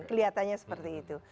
keliatannya seperti itu